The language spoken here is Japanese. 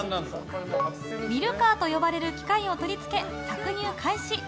ミルカーといわれる機械を取り付け搾乳開始。